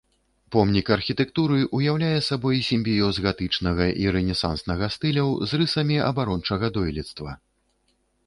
Помнік архітэктуры ўяўляе сабой сімбіёз гатычнага і рэнесанснага стыляў з рысамі абарончага дойлідства.